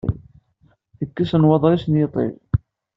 Tekkes nnwaḍer-is n yiṭij.